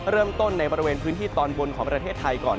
เริ่มต้นในบริเวณพื้นที่ตอนบนของประเทศไทยก่อน